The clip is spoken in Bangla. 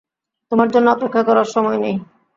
তোমার জন্য অপেক্ষা করার সময় নেই।